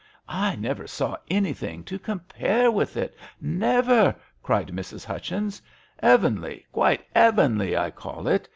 "I never saw anything to compare with it — never !" cried Mrs. Hutchins. " 'Eavenly, quite 'eavenly, I call it.